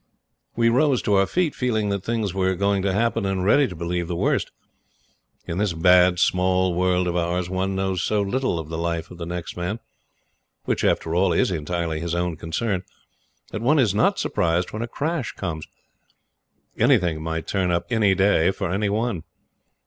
We rose to our feet, feeling that things were going to happen and ready to believe the worst. In this bad, small world of ours, one knows so little of the life of the next man which, after all, is entirely his own concern that one is not surprised when a crash comes. Anything might turn up any day for any one.